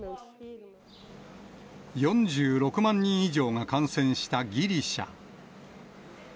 ４６万人以上が感染したギリシャ。